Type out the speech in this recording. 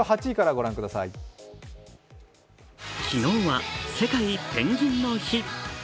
昨日は世界ペンギンの日。